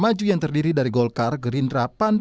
mereka yang saya dengar akan support